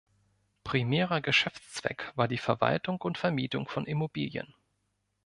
Primärer Geschäftszweck war die Verwaltung und Vermietung von Immobilien.